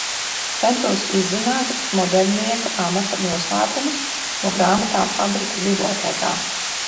Centos izzināt modeļnieka amata noslēpumus no grāmatām fabrikas bibliotēkā.